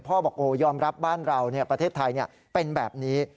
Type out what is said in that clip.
บอกโอ้ยอมรับบ้านเราประเทศไทยเป็นแบบนี้